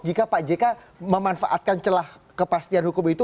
jika pak jk memanfaatkan celah kepastian hukum itu